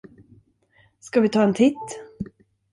Ska vi ta en titt?